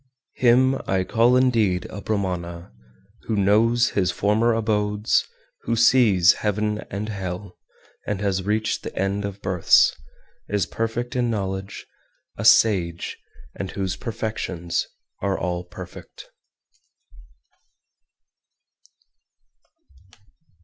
423. Him I call indeed a Brahmana who knows his former abodes, who sees heaven and hell, has reached the end of births, is perfect in knowledge, a sage, and whose perfections are all perfect.